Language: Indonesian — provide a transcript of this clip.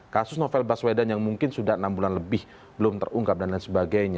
kasus novel baswedan yang mungkin sudah enam bulan lebih belum terungkap dan lain sebagainya